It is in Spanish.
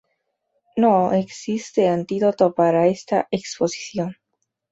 No existe antídoto para esta exposición.